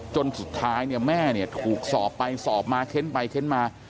จนสุดท้ายแม่ถูกสอบไปสอบมาเข็นไปเข็นมา